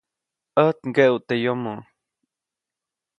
ʼÄjt ŋgeʼuʼt teʼ yomoʼ.